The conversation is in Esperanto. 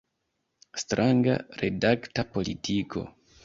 Stranga redakta politiko!